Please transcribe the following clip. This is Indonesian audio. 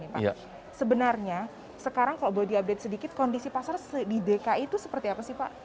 pak sebenarnya sekarang kalau boleh diupdate sedikit kondisi pasar di dki itu seperti apa sih pak